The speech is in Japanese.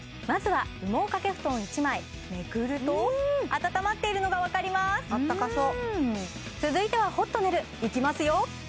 まずは羽毛かけ布団１枚めくるとあたたまっているのが分かりますあったかそう続いてはホットネルいきますよ